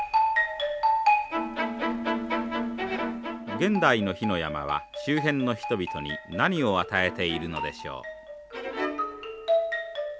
現代の火の山は周辺の人々に何を与えているのでしょう。